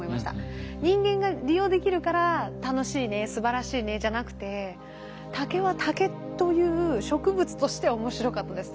人間が利用できるから楽しいねすばらしいねじゃなくて竹は竹という植物として面白かったです。